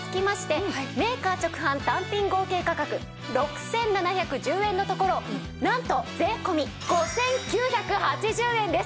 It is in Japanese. メーカー直販単品合計価格６７１０円のところなんと税込５９８０円です。